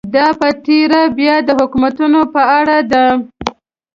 دا په تېره بیا د حکومتونو په اړه ده.